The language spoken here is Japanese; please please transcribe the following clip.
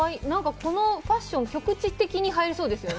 このファッション、局地的に流行りそうですね。